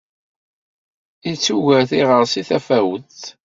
Ittuger tiɣersi tafawet.